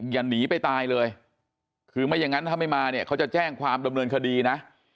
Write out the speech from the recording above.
อย่าหนีไปตายเลยคือไม่อย่างนั้นถ้าไม่มาเนี่ยเขาจะแจ้งความดำเนินคดีนะ